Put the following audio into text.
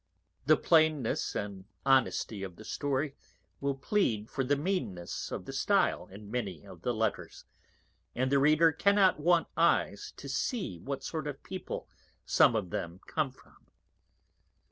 The Plainness and Honesty of the Story will plead for the Meanness of the Stile in many of the Letters, and the Reader cannot want Eyes to see what sort of People some of them come from.